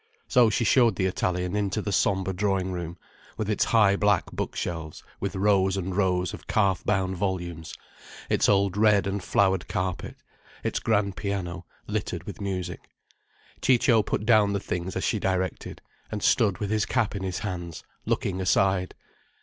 So she showed the Italian into the sombre drawing room, with its high black bookshelves with rows and rows of calf bound volumes, its old red and flowered carpet, its grand piano littered with music. Ciccio put down the things as she directed, and stood with his cap in his hands, looking aside.